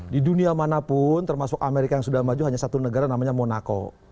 di dunia manapun termasuk amerika yang sudah maju hanya satu negara namanya monaco